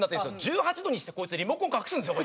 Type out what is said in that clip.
１８度にしてリモコン隠すんですよ